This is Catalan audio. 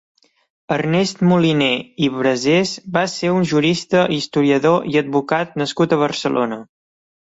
Ernest Moliné i Brasés va ser un jurista, historiador i advocat nascut a Barcelona.